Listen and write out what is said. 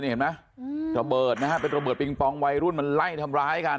เห็นไหมระเบิดนะฮะเป็นระเบิดปิงปองวัยรุ่นมันไล่ทำร้ายกัน